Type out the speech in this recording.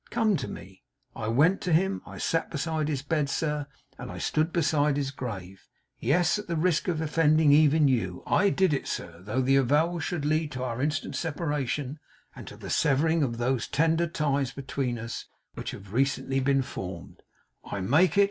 Come to me!" I went to him. I sat beside his bed, sir, and I stood beside his grave. Yes, at the risk of offending even you, I did it, sir. Though the avowal should lead to our instant separation, and to the severing of those tender ties between us which have recently been formed, I make it.